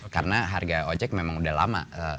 karena harga ojek memang udah lama